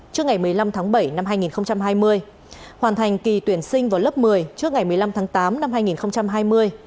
trước ngày một mươi năm tháng bảy năm hai nghìn hai mươi hoàn thành kỳ tuyển sinh vào lớp một mươi trước ngày một mươi năm tháng tám năm hai nghìn hai mươi